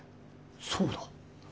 そうだ。